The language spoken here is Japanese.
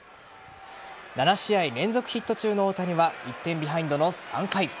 ７試合連続ヒット中の大谷は１点ビハインドの３回。